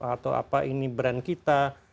atau apa ini brand kita